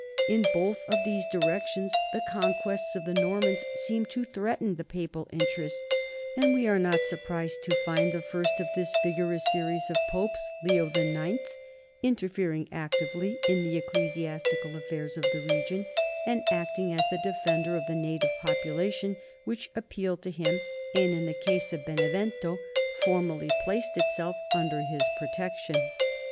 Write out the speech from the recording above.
In both of these directions the conquests of the Normans seemed to threaten the papal interests, and we are not surprised to find the first of this vigorous series of Popes, Leo IX, interfering actively in the ec clesiastical affairs of the region and acting as the de fender of the native population, which appealed to him and, in the case of Benevento, formally placed itself under his protection.